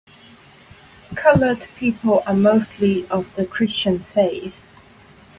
"Coloured" people are mostly of the Christian faith.